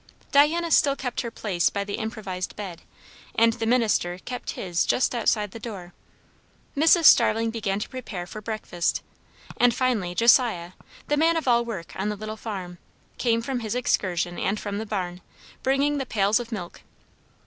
Diana still kept her place by the improvised bed, and the minister kept his just outside the door. Mrs. Starling began to prepare for breakfast; and finally Josiah, the man of all work on the little farm, came from his excursion and from the barn, bringing the pails of milk.